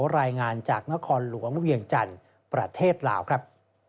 รายงานจากนครหลวงเวียงจันทร์ประเทศลาวครับ